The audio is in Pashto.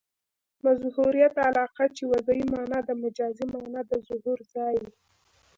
مظهریت علاقه؛ چي وضعي مانا د مجازي مانا د ظهور ځای يي.